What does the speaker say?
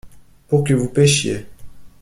Pour que vous pêchiez.